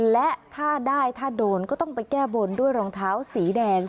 และถ้าได้ถ้าโดนก็ต้องไปแก้บนด้วยรองเท้าสีแดง